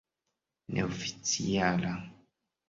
neoficiala